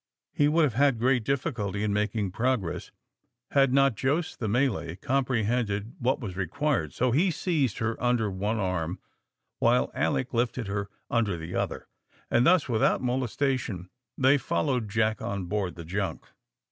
He would have had great difficulty in making progress, had not Jos the Malay comprehended what was required. So he seized her under one arm, while Alick lifted her under the other, and thus, without molestation, they followed Jack on board the junk.